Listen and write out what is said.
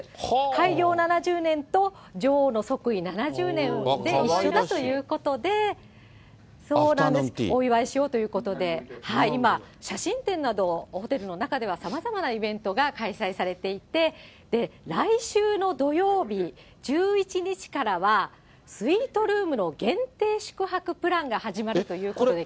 開業７０年と、女王の即位７０年で一緒だということで、お祝いしようということで、今、写真展などを、ホテルの中ではさまざまなイベントが開催されていて、来週の土曜日１１日からは、スイートルームの限定宿泊プランが始まるということで。